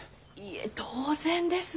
いえ当然です。